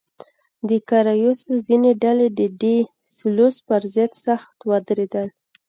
د کارایوس ځینې ډلې د ډي سلوس پر ضد سخت ودرېدل.